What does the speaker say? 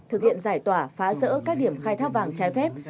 thực hiện giải tỏa phá rỡ các điểm khai thác vàng trái phép